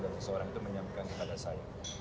dan seseorang itu menyambutkan kepada saya